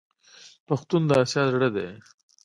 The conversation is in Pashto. پښتون د اسیا زړه دی.